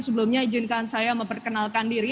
sebelumnya izinkan saya memperkenalkan diri